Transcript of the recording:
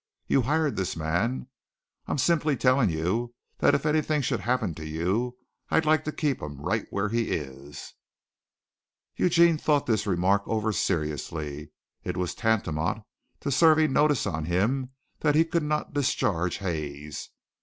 You hired this man. I'm simply telling you that if anything should happen to you I'd like to keep him right where he is." Eugene thought this remark over seriously. It was tantamount to serving notice on him that he could not discharge Hayes.